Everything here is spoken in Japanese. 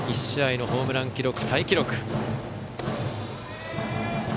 １試合のホームラン記録タイ記録。